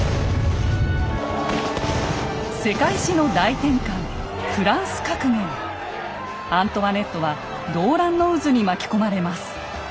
世界史の大転換アントワネットは動乱の渦に巻き込まれます。